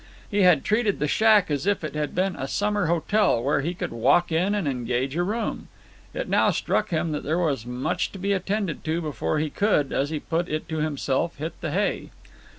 He had treated the shack as if it had been a summer hotel, where he could walk in and engage a room. It now struck him that there was much to be attended to before he could, as he put it to himself, hit the hay.